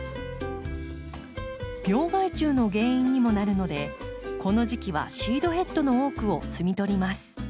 病害虫の原因にもなるのでこの時期はシードヘッドの多くを摘み取ります。